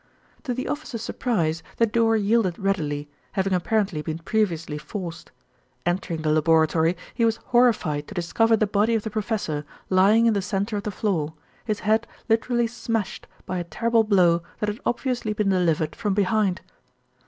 To the officer's surprise the door yielded readily, having apparently been previously forced. Entering the laboratory he was horrified to discover the body of the professor lying in the centre of the floor, his head literally smashed by a terrible blow that had obviously been delivered from behind.